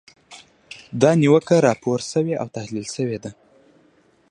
دا نیوکه راپور شوې او تحلیل شوې ده.